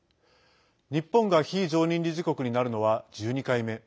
日本が非常任理事国になるのは１２回目。